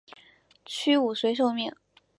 屈武遂受命。